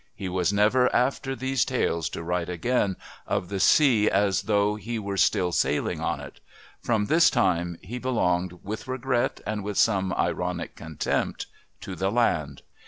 He was never, after these tales, to write again of the sea as though he were still sailing on it. From this time he belonged, with regret and with some ironic contempt, to the land.